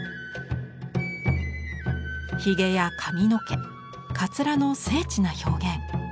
ひげや髪の毛かつらの精緻な表現。